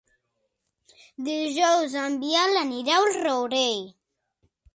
Dijous en Biel anirà al Rourell.